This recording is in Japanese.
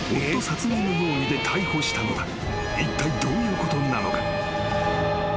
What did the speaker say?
［いったいどういうことなのか？］